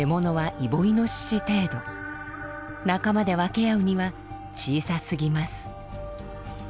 仲間で分け合うには小さすぎます。